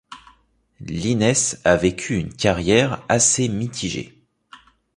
Lines a vécu une carrière assez mitigée.